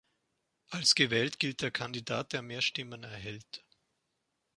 Als gewählt gilt der Kandidat, der mehr Stimmen erhält.